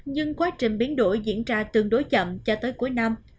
nhưng quá trình biến đổi diễn ra tương đối chậm cho tới cuối năm